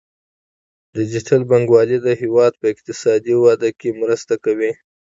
ډیجیټل بانکوالي د هیواد په اقتصادي وده کې مرسته کوي.